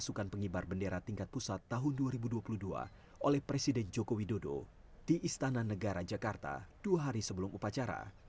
pasukan pengibar bendera tingkat pusat tahun dua ribu dua puluh dua oleh presiden joko widodo di istana negara jakarta dua hari sebelum upacara